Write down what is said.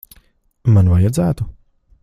Man vajadzētu?